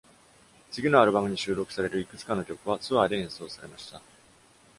次のアルバムに収録されるいくつかの曲はツアーで演奏されました。